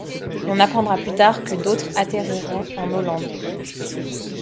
On apprendra plus tard que d'autres atterriront en Hollande.